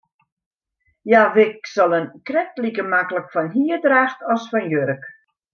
Hja wikselen krekt like maklik fan hierdracht as fan jurk.